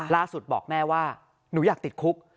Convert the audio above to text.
บอกแม่ว่าหนูอยากติดคุก